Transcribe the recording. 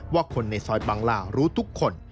ว่าคนในซอยบังลารู้ทุกคน